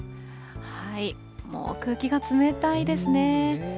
もう空気が冷たいですね。